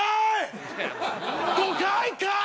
５回かい！